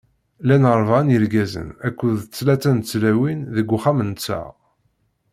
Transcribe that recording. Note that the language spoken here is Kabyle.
Llan ṛebɛa n yirgazen akked tlata n tlawin deg uxxam-nteɣ.